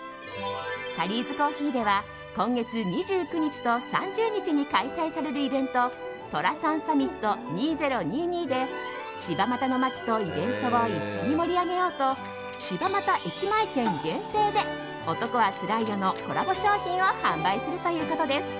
タリーズコーヒーでは今月２９日と３０日に開催されるイベント寅さんサミット２０２２で柴又の街とイベントを一緒に盛り上げようと柴又駅前店限定で「男はつらいよ」のコラボ商品を販売するということです。